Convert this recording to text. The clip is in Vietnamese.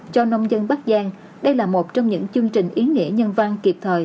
cho nông dân bắc giang đây là một trong những chương trình ý nghĩa nhân văn kịp thời